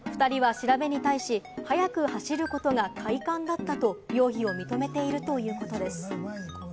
２人は調べに対し、速く走ることが快感だったと容疑を認めているということです。